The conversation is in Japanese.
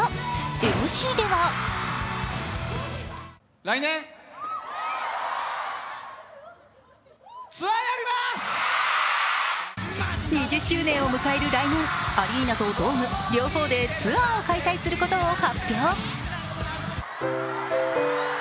ＭＣでは２０周年を迎える来年、アリーナとドーム、両方でツアーを開催することを発表。